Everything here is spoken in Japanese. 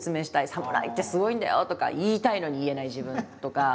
「侍ってすごいんだよ」とか言いたいのに言えない自分とか。